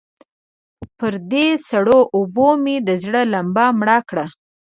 پر دې سړو اوبو مې د زړه لمبه مړه کړه.